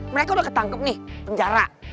mereka udah ketangkep nih penjara